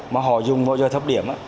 mà họ dùng mỗi giờ thấp điểm á